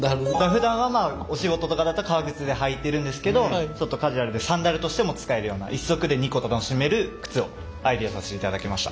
ふだんはお仕事とかだと革靴で履いてるんですけどちょっとカジュアルでサンダルとしても使えるような一足で２個楽しめる靴をアイデアさせていただきました。